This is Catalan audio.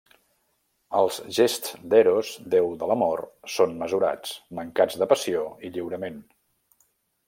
Els gests d'Eros, déu de l'Amor, són mesurats, mancats de passió i lliurament.